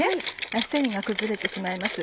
繊維が崩れてしまいます。